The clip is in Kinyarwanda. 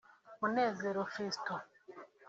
Munezero Fiston